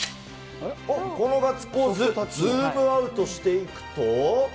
このガッツポーズ、ズームアウトしていくと。